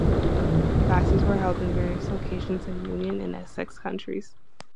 Classes were held in various locations in Union and Essex counties.